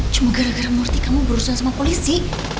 cuma gara gara murti kamu berusaha sama polisi